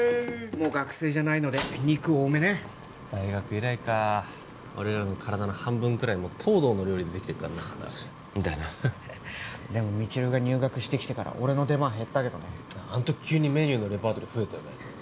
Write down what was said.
もう学生じゃないので肉多めね大学以来か俺らの体の半分くらいもう東堂の料理でできてるからなだなでも未知留が入学してきてから俺の出番減ったけどねあん時急にメニューのレパートリー増えたよね